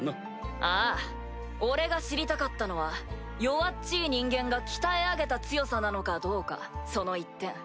ああ俺が知りたかったのは弱っちい人間が鍛え上げた強さなのかどうかその一点。